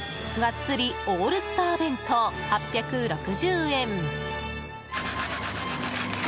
がっつりオールスター弁当８６０円。